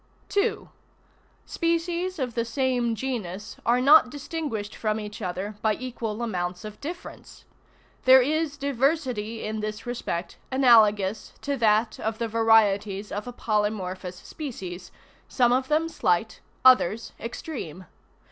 2. Species of the same genus are not distinguished from each other by equal amounts of difference. There is diversity in this respect analogous to that of the varieties of a polymorphous species, some of them slight, others extreme.